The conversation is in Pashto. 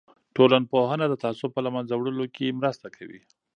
ټولنپوهنه د تعصب په له منځه وړلو کې مرسته کوي.